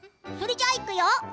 それじゃあ、いくよ！